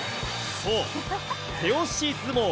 そう、手押し相撲。